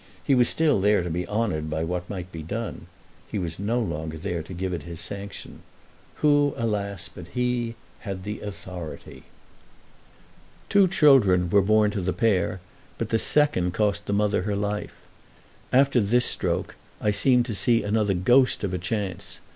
He was still there to be honoured by what might be done—he was no longer there to give it his sanction. Who alas but he had the authority? Two children were born to the pair, but the second cost the mother her life. After this stroke I seemed to see another ghost of a chance.